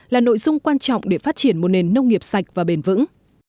là nội dung quan trọng để phát triển một nền nông nghiệp sạch và bền vững